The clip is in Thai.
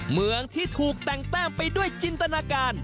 เมืองที่ถูกแต่งแต้มไปด้วยจินตนาการ